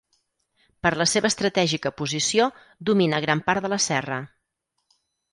Per la seva estratègica posició, domina gran part de la serra.